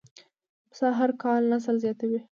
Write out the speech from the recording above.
پسه هر کال نسل زیاتوي.